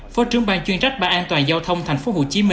phó trưởng ban chuyên trách ba an toàn giao thông tp hcm